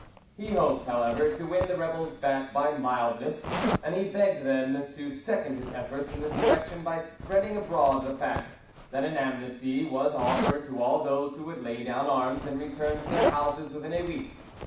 He hoped, however, to win the rebels back by mildness, and he begged them to second his efforts in this direction by spreading abroad the fact that an amnesty was offered to all those who would lay down arms and return to their houses within a week.